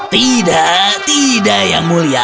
tidak tidak yang mulia